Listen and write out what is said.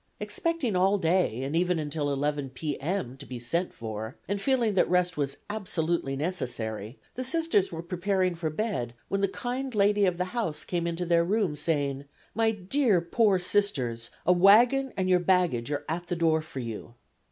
Expecting all day and even until 11 P. M. to be sent for, and feeling that rest was absolutely necessary, the Sisters were preparing for bed when the kind lady of the house came into their room, saying: "My dear, poor Sisters, a wagon and your baggage are at the door for you."